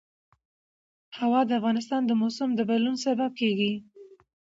هوا د افغانستان د موسم د بدلون سبب کېږي.